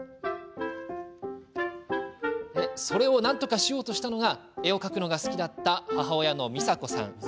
それをなんとかしようとしたのが絵を描くのが好きだった母親の、みさ子さん。